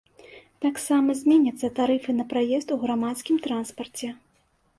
Таксама зменяцца тарыфы на праезд у грамадскім транспарце.